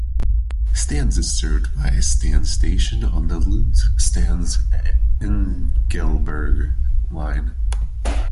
Stans is served by Stans station on the Luzern-Stans-Engelberg line.